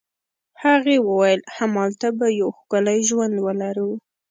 هغې وویل: همالته به یو ښکلی ژوند ولرو.